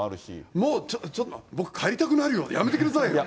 もうちょっと、僕帰りたくなるよ、やめてくださいよ！